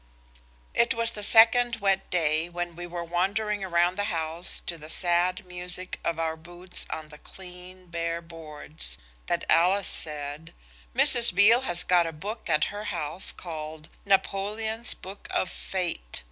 It was the second wet day when we were wandering round the house to the sad music of our boots on the clean, bare boards that Alice said– "Mrs. Beale has got a book at her house called 'Napoleon's book of Fate.'